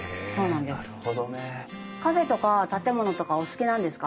カフェとか建物とかお好きなんですか？